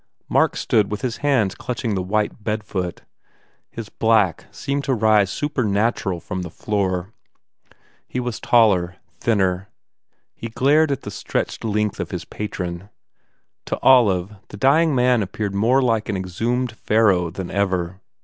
Mark stood with his hands clutching the white bedfoot. His black seemed to rise supernatural from the floor. He was taller, thinner. He glared at the stretched length of his patron. To Olive the dying man appeared more like an exhumed Pharaoh than ever.